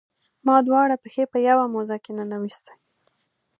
ما دواړه پښې په یوه موزه کې ننویستي.